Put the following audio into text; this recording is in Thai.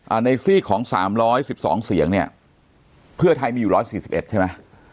ในซีกของสามร้อยสิบสองเสียงเนี่ยเพื่อไทยมีอยู่ร้อยสี่สิบเอ็ดใช่ไหม